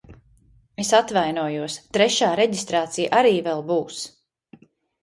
Es atvainojos, trešā reģistrācija arī vēl būs!